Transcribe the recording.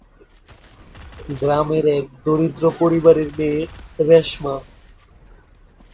গ্রামের এক দরিদ্র পরিবারের মেয়ে রেশমা।